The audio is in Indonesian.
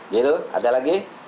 gitu ada lagi